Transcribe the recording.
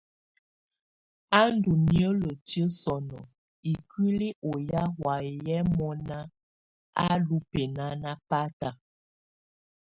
Á ndù niǝ́lǝtiǝ́ sɔnɔ ikuili ù ya wayɛ mɔna á lù bɛnana bata.